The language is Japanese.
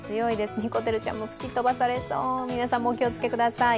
にこてるちゃんも吹き飛ばされそう、皆さんもお気をつけください。